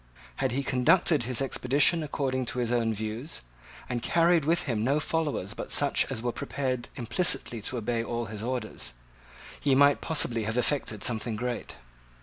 Had he conducted his expedition according to his own views, and carried with him no followers but such as were prepared implicitly to obey all his orders, he might possibly have effected something great.